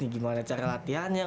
gimana cara latihannya